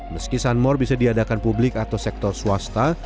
meski sunmore bisa diadakan publik atau sektor swasta